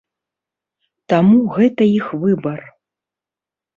Таму гэта іх выбар.